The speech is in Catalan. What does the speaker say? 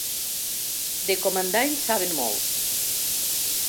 De comandar en saben molt.